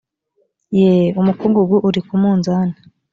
ye umukungugu uri ku munzani